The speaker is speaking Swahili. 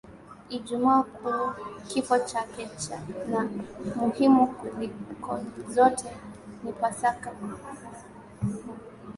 Ijumaa Kuu kifo chake na muhimu kuliko zote ni Pasaka kufufuka kwake